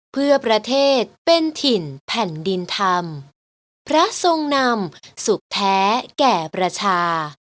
เพื่อประเทศเป็นถิ่นแผ่นดินธรรมพระทรงนำสุขแท้แก่ประชา